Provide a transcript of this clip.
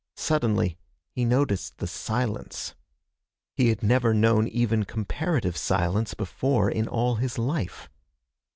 Suddenly he noticed the silence. He had never known even comparative silence before in all his life.